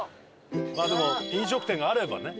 まあでも飲食店があればね。